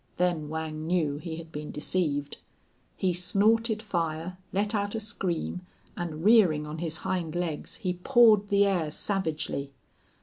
Then Whang knew he had been deceived. He snorted fire, let out a scream, and, rearing on his hind legs, he pawed the air savagely.